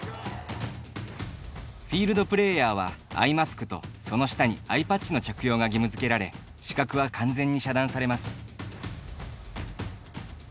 フィールドプレーヤーはアイマスクと、その下にアイパッチの着用が義務づけられ視覚は完全に遮断されます。